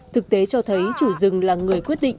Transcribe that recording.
thực tế cho thấy chủ rừng là người quyết định